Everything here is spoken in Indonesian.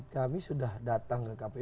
kami sudah datang ke kpu